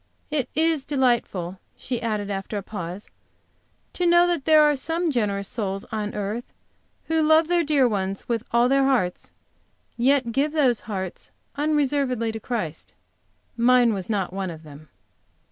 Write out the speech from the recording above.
It is delightful," she added, after a pause, "to know that there are some generous souls on earth, who love their dear ones with all their hearts, yet give those hearts unreservedly to Christ. Mine was not one of them."